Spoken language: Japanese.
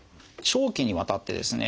長期にわたってですね